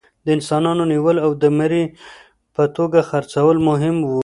د انسانانو نیول او د مري په توګه خرڅول مهم وو.